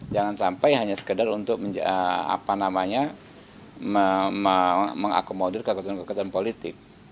jangan sampai hanya sekedar untuk mengakomodir kekuatan kekuatan politik